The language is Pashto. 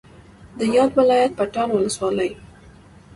د یاد ولایت پټان ولسوالۍ